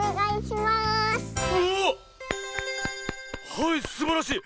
はいすばらしい！